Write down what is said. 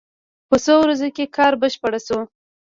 په څو ورځو کې کار بشپړ شو.